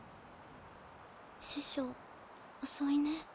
師匠遅いね。